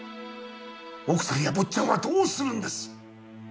奥さんや坊ちゃんはどうするんです？